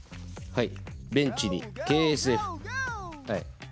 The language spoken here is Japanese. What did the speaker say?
はい。